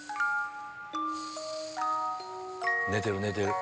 寝てる寝てる。